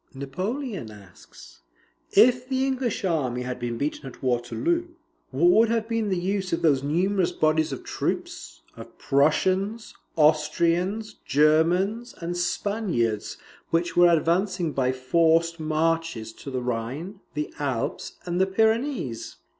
Napoleon asks, "IF THE ENGLISH ARMY HAD BEEN BEATEN AT WATERLOO, WHAT WOULD HAVE BEEN THE USE OF THOSE NUMEROUS BODIES OF TROOPS, OF PRUSSIANS, AUSTRIANS, GERMANS, AND SPANIARDS, WHICH WERE ADVANCING BY FORCED MARCHES TO THE RHINE, THE ALPS, AND THE PYRENEES?"